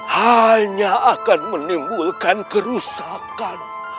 hanya akan menimbulkan kerusakan